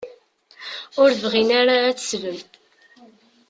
Ur bɣin ara ad d-slen.